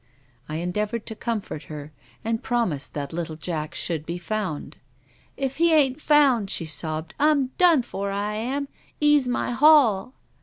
I endeavoured to comfort her and promised that little Jack should be found. "' If he ain't found,' she sobbed, ' I'm done for, I am ; 'e's my hall.' THE RAINBOW.